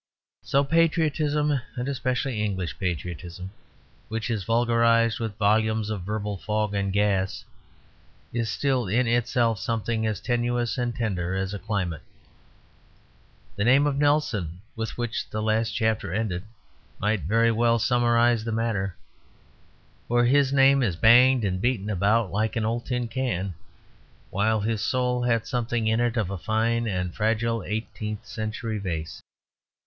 So patriotism, and especially English patriotism, which is vulgarized with volumes of verbal fog and gas, is still in itself something as tenuous and tender as a climate. The name of Nelson, with which the last chapter ended, might very well summarize the matter; for his name is banged and beaten about like an old tin can, while his soul had something in it of a fine and fragile eighteenth century vase.